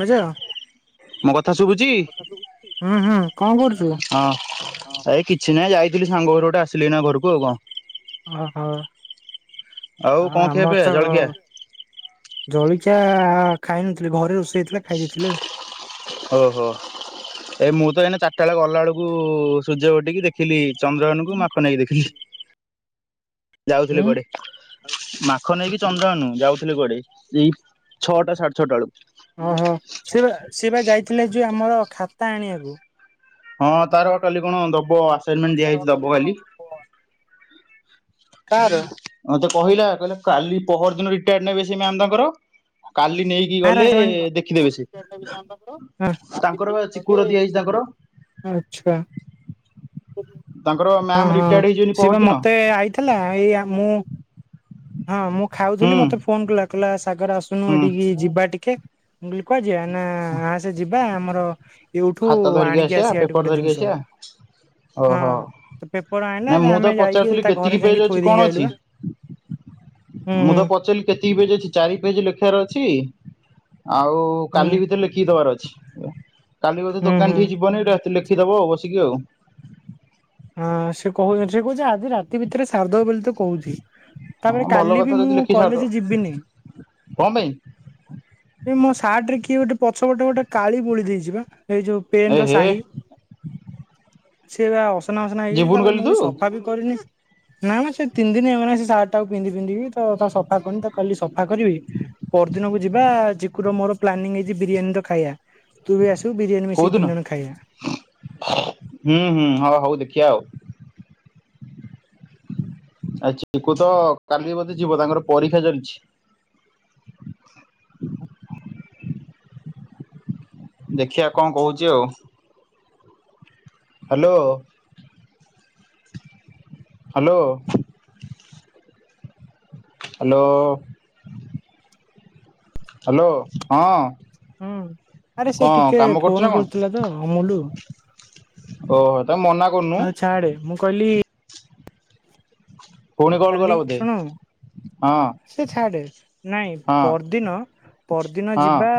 ବିଜୟ ହୁଁ ମୋ କଥା ଶୁଭୁଛି? ହୁଁ କଣ କରୁଛୁ। ହଁ ଏଇ କିଛି ନାହିଁ ଯାଇଥିଲି ସାଙ୍ଗ ଘରୁ ଗୋଟେ ଆସିଲି ଇନା ଘରକୁ ଆଉ କଣ। ଓହୋ କଣ ଆଉ ଖିଆ ପିଆ ଆମର ଚ ଜଳଖିଆ? ଜଳିକଖିଆ ଖାଇ ନଥିଲି ଘରେ ରୋଷେଇ ହେଇଥିଲା ଖାଇ ଦେଇଥିଲି ଆଉ। ଓହୋ ଏ ମୁଁ ତ ଏଇନା ଚାରିଟା ବେଳେ ଗଲା ବେଳକୁ ସୂର୍ଯ୍ୟ ଗଟିକି ଦେଖ ଦେଖିଲି ଚନ୍ଦ୍ରଗନକୁ ମାଖନ ଆଇକି ଦେଖିଲି। ଯାଉଥିଲେ ଉଁ କୁଆଡେ ମାଖନ୍ ଆଇକି ଚନ୍ଦ୍ରଘନ ଯାଉଥିଲେ କୁଆଡେ ଏଇ ଛଅଟା ସାଢେ ଛଅଟା ବେଳୁ। ଓହୋ ସେ ବା ସେ ବା ଯାଇଥିଲେ ଯୋଉ ଆମର ଖାତା ଆଣିବାକୁ। ହଁ ତାର ବା କାଲି କଣ ଦବ ଆସାଇନମେଣ୍ଟ ଦିଆହଇଛି ଦବ ଖାଲି। କାହାର ମତେ କହିଲା କହିଲା କାଲି ପହର ଦିନ ରିଟାୟାର୍ଡ ନେବେ ସେ ମ୍ୟାାମ ତାଙ୍କର କାଲି ନେଇ କି କାହାର ଗଲେ ଆସାଇନମେଣ୍ଟ ଦେଖିଦେବେ ସେ ତାଙ୍କର ବା ଚିକୁର ଦିଆଯାଇଛି ତାଙ୍କର। ଆଛା। ତାଙ୍କର ହଁ ମ୍ୟାମ୍ ହଁ ରିଟାୟାର୍ଡ ହେଇଯିବେନି ସିଏ ପହର ବା ଦିନ। ମତେ ଆଇଥିଲା ଏଇ ଆ ମୁଁ ହଁ ମୁଁ ଖାଉଥିଲି ହୁଁ ମତେ ଫୋନ କଲା କହିଲା ସାଗର ଆସୁନୁ ହୁଁ ଏଠିକି ଯିବା ଟିକେ। ମୁଁ କଇଲି କୁଆଡେ ଯିବା ନା ଆସେ ଯିବା ଆମର ଏଉଠୁ ଖାତା ଧରିକି ଆଣିକି ଆସିବା ଏଠୁ ପେପର ଗୋଟେ ଧରିକି ଜିନିଷ ଆସିବା ହଁ ଓହୋ ତ ପେପର ନାଇଁ ଆଣିଲା ମୁଁ ତ ଆମେ ଯାଇକି ପଚାରୁଥିଲି ଏଇ ତା କେତିକି ଘରେ ପେଜ ଯାଇକି ଅଛି ଥୋଇ କଣ ଦେଇକି ଅଛି ଆଇଲୁ ବା। ହୁଁ ମୁଁ ହୁଁ ତାକୁ ପଚାରିଲି କେତକି ପେଜ ଅଛି ଚାରି ପେଜ ଲେଖିବାର ଅଛି। ଆଉ ହୁଁ କାଲି ଭିତରେ ଲେଖିକି ଦବାର ଅଛି। କାଲି ବୋଧେ ହୁଁ ହୁଁ ଦୋକାନ ଠି ଯି ବନି ରାତି ଲେଖିଦବ ବସିକି ଆଉ। ହଁ ସେ କହୁଚି, ସେ କହୁଛି ଆଜି ରାତି ଭିତରେ ସାରିଦବ ବୋଲି ତ କହୁଛି, ତା ମାନେ ହଁ ଭଲ କାଲି କଥା ବି ଯଦି ମୁଁ ଲେଖି ସାରିଦବ କଲେଜ୍ ଯିବିନି। କଣ ପାଇଁ ଏଇ ମୋ ସାର୍ଟ ରେ କିଏ ଗୋଟେ ପଛପଟେ ଗୋଟେ କାଳି ବୋଳି ଦେଇଛି ବା। ଏଇ ଯୋଉ ଏ ପେନ୍ ର ହେ ସାହି, ସିଏ ବା ଅସନା ମସନା ହେଇଯାଇଛି। ଯିବୁନୁ ତାପରେ କାଲି ମୁଁ ତୁ ବି ସଫା ବି କରିନି। ନା ମୋ ସେ ତିନି ଦିନ ଏ ମାନେ ସେ ସାର୍ଟ ଟାକୁ ପିନ୍ଧି ପିନ୍ଧିକି ତ ସଫା କରନି। ତାକୁ କାଲି ସଫା କରିବି। ପରଦିନକୁ ଯିବା ଚିକୁର ମୋର ପ୍ଲାନିଂ ହେଇଛି ବିରିୟାନୀ ତ ଖାଇବା। ତୁ ବି ଆସିବୁ ବିରିୟାନୀ ମିଶି କୋଉଦିନ ତିନିଜଣ ଖାଇବା। ହୁଁ, ହୁଁ, ହୋ ହଉ ଦେଖିଆ ଆଉ। ଆ, ଚିକୁ ତ କାଲି ବୋଧେ ଯିବ ତାଙ୍କର ପରୀକ୍ଷା ଚାଲିଛି। ଦେଖିଆ କଣ କହୁଚି ଆଉ। ହାଲୋ। ହାଲୋ। ହାଲୋ। ହାଲୋ ହଁ ହଁ, ଆରେ ସେ କଣ ଟିକେ କାମ କରୁଛୁ ଫୋନ୍ ନା କଣ କରିଥିଲା ତ ଅମୁଲୁ। ଓହୋ, ତାକୁ ମନା କରୁନୁ ଅ, ଛାଡେ ମୁଁ କହିଲି ପୁଣି କଲ୍ କଲା କାଲି ବୋଧେ ଶୁଣୁ, ହଁ ସେ ଛାଡେ, ନାଇଁ ହଁ ପରଦିନ ପରଦିନ ହଁ ଯିବା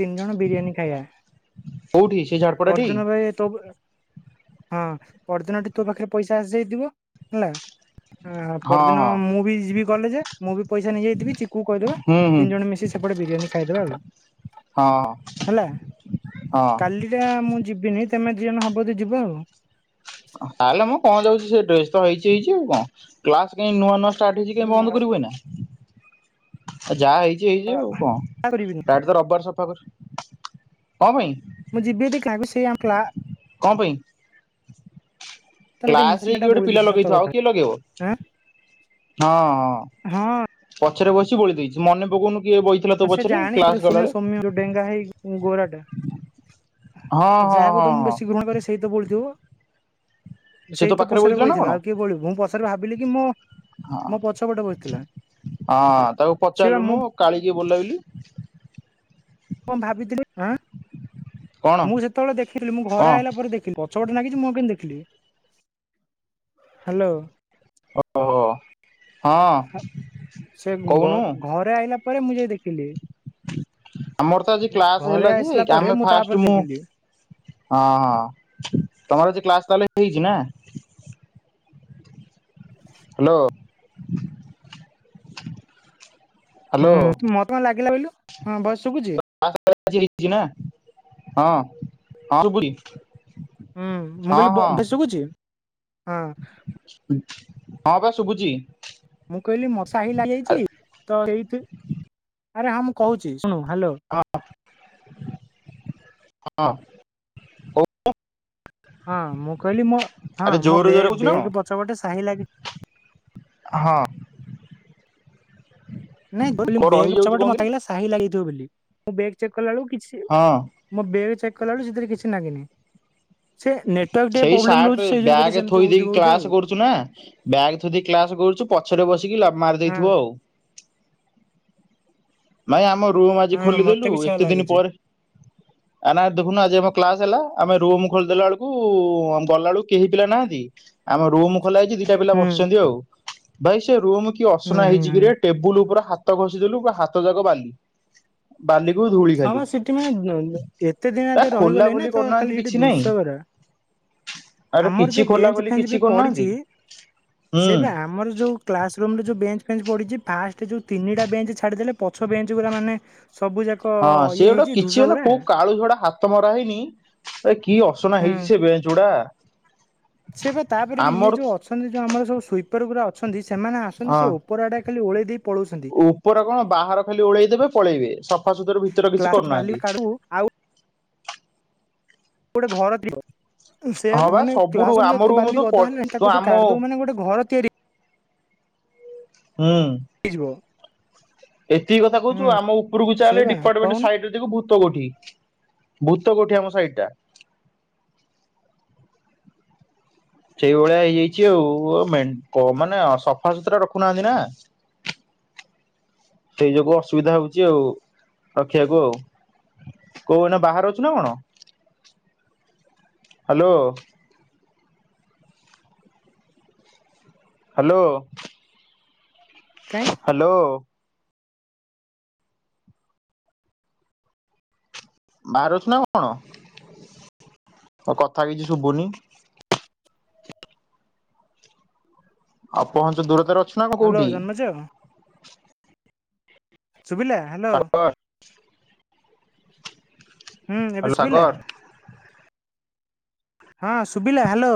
ତିନି ଜଣ ବିରିୟାନୀ ଖାଇବା। କୋଉଠି ସେ ଝାଡ୍ ପରଦିନ ଭାଇ ତୋବ ଏ ହଁ ପରଦିନଠି ତୋ ପାଖରେ ପଇସା ଆସିଯାଇଥିବ ହେଲା। ଆଉ ହଁ ପରଦିନ ହଁ ମୁଁ ବି ଯିବି କଲେଜେ, ମୁଁ ବି ପଇସା ନେଇଯାଇଥିବି। ଚିକୁକୁ କହିଦବା। ହୁଁ ହୁଁ ତିନି ଜଣ ମିଶି ସେପଟେ ବିରିୟାନୀ ଖାଇଦବା ହଁ ହେଲା। ହଁ କାଲି ଯା ମୁଁ ଯିବିନି ତୋମେ ଦି ଜଣ ହବ ତ ଯିବ ଆଉ। ଓ ହୋ ତାଲ ମୋ କଣ ଯାଉଚି ସେ ଡ୍ରେସ୍ ତ ହେଇଚି ହେଇଚି ଆଉ କଣ, କ୍ଲାସ୍ କାଇଁ ନୂଆ ନୂଆ ଷ୍ଟାଟ୍ ହେଇଚି କାଇଁ ବନ୍ଦ କରିବୁ ଏଇନା। ଏ ଯା ହେଇ ଚି ହେଇଚି ଆଉ କଣ କରିବିନି ସାର୍ଟ ତ ରବବାର ସଫା କର, କଣ ପାଇଁ? ମୁଁ ଯିବି ଯଦି [inaudible] ସେଇ ଆମ କ୍ଲା କଣ ପାଇଁ? ଗୋଟେ କ୍ଲାସ୍ ରେ ହିଂସିକା ଟା କିଏ ଗୋଟେ ବୋଳି ପିଲା ଦେଇଛି ସତ ଲଗେଇଥିବ। ଆଉ କଥା କିଏ ଲଗେଇବ? ଆଁ ହଁ ପଛରେ ବସିଛି ବୋଳି ଦେଇଛି, ମନେ ପକଉନୁ କିଏ ବଇଥିଲା ତୋ ସେ ପଛରେ ଜାଣି ଯୋଉ କ୍ଲାସ୍ ସୌମ୍ୟ ଗଲାବେଳେ। ସୌମ୍ୟ ଯୋଉ ଡେଙ୍ଗା ହେଇକି ଗୋରାଟା ଅ, ହଁ ହଁ ହଁ ଯାହାକୁ ତ ମୁଁ ହଁ ବେଶୀ ଘୃଣା କରେ ସେ ସେଇତ ବୋଳିଥିବ। ସେ ତୋ ସେଇ ତ ପାଖରେ ପଛରେ ନା କଣ? ବଇଥିଲା, ଆଉ କିଏ ବୋଳିବ। ମୁଁ ପଛରେ ଭାବିଲି କି ମୋ ହଁ ମୋ ପଛପଟେ ବସିଥିଲା। ହଁ ତାକୁ ସେ ବା ମୁଁ ପଚାରିଲୁନୁ କାଳିି କିଏ ବୋଳିଲା ବୋଲି। କଣ ଭାବିଥିଲି ଆଁ, କଣ ମୁଁ ସେତେବେଳେ ଦେଖିଥିଲି ମୁଁ କଣ ଘରେ ଆଇଲା ପରେ ଦେ ପଛପଟେ ନାଗିଛି ମୁଁ ଆଉ କେମତି ଦେଖିଲି। ହ୍ୟାଲୋ, ଓହୋ, ହଁ କହୁନୁ। ରେ ଆଇଲା ପରେ ମୁଁ ଯାଇ ଦେଖିଲି। ଆମର ତ ଆଜି କ୍ଲାସ୍ ଘରେ ହେଲା ଆସିଲା ଯେ, ପରେ ଆମେ ମୁଁ ତାପରେ ଫାଷ୍ଟ ମୁଁ ଦେଖିଲି ହଁ, ହଁ, ତୋମର ଆଜି କ୍ଲାସ୍ ତାହେଲେ ହେଇଛି ନା? ହ୍ୟାଲୋ। ହୁଁ, ହ୍ୟାଲୋ ମୋତେ କଣ ଲାଗିଲା କହିଲୁ? ହଁ ଭଏସ୍ ଶୁଭୁଛି? [inaudible] ଆଜି ହେଇଛି ନା? ହଁ, ହଁ ଶୁଭୁଛି। ହୁଁ, ମୁଁ ହଁ କହିଲି ହଁ ବ-ଭଏସ୍ ଶୁଭୁଛି? ହଁ। ହଁ ପା ଶୁଭୁଛି। ମୁଁ କହିଲି ମଶଲା ହେଇ ଆରେ ଯାଇଛି ତ ଏଇ ଆରେ ହଁ ମୁଁ କହୁଛି ଶୁଣ ହିଁ ହଁ କହୁନୁ। ହଁ ମୁଁ କହିଲି ମୋ ହଁ ଆରେ ମୋ ଜୋରରେ ଜୋରରେ କହୁଛୁ ନା ବେଗ୍ ପଛପଟେ ସାହିଲାଗି ହଁ। ନାଇଁ କଣ ବେଗ ରହିଯାଉଛି ପଛପଟେ କଣ ମତେ କିରେ ଲାଗିଲା ସାହି ଲାଗି ଯାଇଥିବ ବୋଲି ମୁଁ ବେଗ୍ ଚେକ୍ କଲା ବେଳକୁ କିଛି ହଁ। ମୋ ବେଗ୍ ଚେକ୍ କଲାଳୁ ସେଥିରେ କିଛି ଲାଗିନି। ସେଇ ରହୁଛି ସାର୍ଟରେ ସେଇ ଯୋଗୁଁ ବୋଧେ ବ୍ୟାଗ ସେମିତି ଥୋଇ ହଉଥିବ ଦେଇକି ବୋଧେ ଆଉ। କ୍ଲାସ କରୁଛୁ ନା। ବ୍ୟାଗ୍ ଥୁଇକି କ୍ଲାସ କରୁଛୁ ପଛରେ ବସିକି ମାରି ହଁ ଦେଇଥିବ ଆଉ। ଭାଇ ଆମ ରୁମ୍ ଆଜି ହଁ ମତେ ଖୋଲିଦେଲୁ ବି ସେୟା ଏତେ ଦିନ ପରେ। [inaudible] ଆ ନା ଦେଖୁନୁ ଆଜି ଆମ କ୍ଲାସ ହେଲା ଆମେ ରୁମ ଖୋଲିଦେଲା ବେଳକୁ ଗଲାବେଳକୁ କେହି ପିଲା ନାହାନ୍ତି। ଆମ ରୁମ୍ ଖୋଲା ହେଇଛି ଦିଟା ପିଲା ହୁଁ ବସିଛନ୍ତି ଆଉ ଭାଇ ସେ ରୁମ କି ହୁଁ ଅସନା ହୁଁ ହେଇଛି ହୁଁ। କିରେ। ଟେବୁଲ ଉପରେ ହାତ ଘଷି ଦେଲୁ ପୁରା ହାତ ଯାକ ବାଲି। ବାଲିକୁ ଧୂଳି ହଁ ଖାଲି। ବା ସେଠି ଏତେ ଦିନ ଆ ତ ଖୋଲା ରହିଗଲେ ନା ଖୋଲି ତ କରୁନାହାନ୍ତି ଖାଲି ସେଠି କିଛି ନାଇଁ ଧୂସଗୁରା। [inaudible] ଆରେ ଆମର କିଛି ଯୋଉ ଖୋଲା ବେଞ୍ଚ ଖୋଲି ଫେଞ୍ଚ କିଛି ବି ପଡିଛି କରୁନାହାନ୍ତି ହୁଁ। ସେଇପା ଆମର ଯୋଉ କ୍ଲାସ ରୁମରେ ଯୋଉ ବେଞ୍ଚ ଫେଞ୍ଚ ପଢଛି ଫାଷ୍ଟ ତିନିଟା ବେଞ୍ଚ ଛାଡିଦେଲେ ପଛ ବେଞ୍ଚ ଗୁରା ମାନେ ସବୁ ଯାକ ହଁ ଇଏ ସେଗୁଡା ହେଇଛି ଧୂସ କିଛି ହେଲେ ଗୁରା କୋଉ ହୁଁ କା ଆଳୁ ଝଡା ହାତ ମରା ହେଇନି ଏ କି ଅସନା ହେଇଛି ସେ ବେଞ୍ଚ୍ ଗୁଡା। ସେଇଆପା ତାପରେ ବି ଇଏ ଆମର ଯୋଉ ଅଛନ୍ତି ଯୋଉ ଆମର ସବୁ ସୁଇପର ଗୁଡା ଅଛନ୍ତି ସେମାନେ ଆସନ୍ତି ହଁ ସେ ଓ ଉପରଆଡେ ଖାଲି ଓଳେଇ ଦେଇ ପଳଉଛନ୍ତି। ଉପର କଣ ବାହାର ଖାଲି ଓଳେଇଦବେ ପଳେଇବେ ସଫାସୁତୁରା ଭିତରେ କିଛି କ୍ଲାସ ବାଲି କରୁନାହାନ୍ତି। କାଢୁ ଆଉ ଗୋଟେ ଘର ଥିବ। ସେଇଆ ହଁ ପା ବା ମାନେ ସବୁରୁ କ୍ଲାସ୍ ରୁମରେ ଆମ ଏତେ ରୁମ ତ ବାଲି ପ ଗଦା ହେଲେଣି ତାକୁ ତୁ ଆମ କାଢିଦବୁ ମାନେ ଗୋଟେ ଘର ତିଆରି ହୁଁ। ହେଇଯିବ। ଏତିକି କଥା ହୁଁ କହୁଛୁ ଆମ ଉପରକୁ ସେ ଚାଲେ ବା ଡିପାର୍ଟମେଣ୍ଟ କହୁନୁ ସାଇଟ୍ ଦେଖୁ ଭୂତ କୋଠି ଭୂତ କୋଠି ଆମ ସାଇଡଟା। ସେଇଭଳିଆ ହେଇଯାଇଛି ଆଉ ମେ ମାନେ ସଫାସୁତୁରା ରଖୁନାହାନ୍ତି ନା। [inaudible] ସେଇ ଯୋଗୁ ଅସୁବିଧା ହଉଛି ଆଉ ରଖିବାକୁ। କୋଉ ଏଇନା ବାହାରେ ଅଛୁ ନା କଣ ହାଲୋ। ହାଲୋ। କାଇଁ ହାଲୋ। ବାହାରେ ଅଛୁ ନା କଣ? ତୋ କଥା କିଛି ଶୁଭୁନି। ଅପହଞ୍ଚ ଦୂରତାରେ ଅଛୁ। ନା କଣ ହାଲୋ କୋଉଠି? ଜନମେଜୟ ସୁୁଭିଲା। ସାପ ହୁଁ ଏବେ ହ୍ୟାଲୋ ଶୁଭିଲା ସାଗର ହଁ ଶୁଭିଲା ହାଲୋ।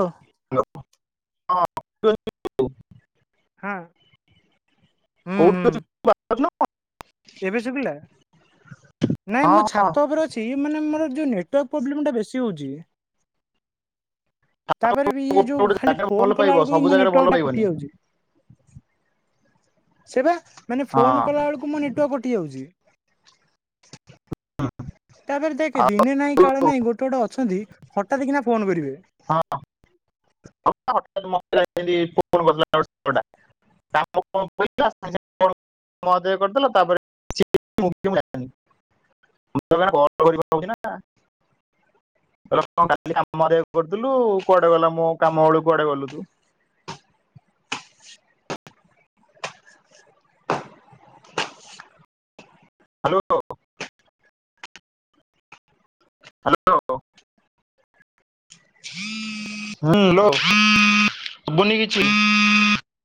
ହଲୋ ହଁ [unintelligible] [unintelligible] ହଁ। ହୁଁ କୋଉଠି ହୁଁ ଅଛି? [unintelligible] ଏବେ ଶୁବିଲା ନାଇଁ ହଁ ମୁ ଛାତ ଉପରେ ଅ ଛି ମାନେ ମୋର ଯୋଉ ନେଟୱାର୍କ ପ୍ରୋବ୍ଲେମ ଟା ବେଶୀ ହଉଛି। ତାପରେ ବି ଇଏ ଗୋଟେ ଯୋଉ ଗୋଟେ ଖାଲି ଜାଗାରେ ଭଲ ଫୋନ ପାଇବ କଲା ବେଳକୁ ସବୁ ବି ମୋ ଜାଗାରେ ଭଲ ନେଟୱାର୍କ ଟା ପାଇବନି କଟି ଯାଉଛି। ସେବା ମାନେ ହଁ ଫୋନ କଲା ବେଳକୁ ମୋ ନେଟୱାର୍କ କଟି ଯାଉଛି। ତାପରେ ଦେଖେ ଆଉ ଦିନେ ନାହିଁ କାଳେ ନାହିଁ ଗୋଟେ ଗୋଟେ ଅଛନ୍ତି ହଠାତ୍ କିନା ଫୋନ କରିବେ। ହଁ [unintelligible] ତାକୁ [unintelligible] ମହଦେୟ କରିଦେଲା ତାପରେ [unintelligible] [unintelligible] କରୁଥିଲୁ କୁଆଡେ ଗଲା ମୋ କାମ ବେଳକୁ କୁଆଡେ ଗଲୁ ତୁ? ହ୍ୟାଲୋ। ହ୍ୟାଲୋ [inaudible] ହୁଁ ହାଲୋ ସୁବୁନି କିଛି।